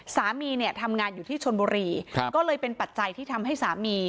สามีเนี่ยทำงานอยู่ที่ชนบุรีก็เลยเป็นปัจจัยที่ทำให้สามี